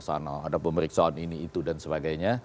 sana ada pemeriksaan ini itu dan sebagainya